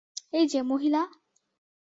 এই যে, মহিলা।